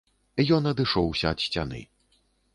Ён адышоўся ад сцяны.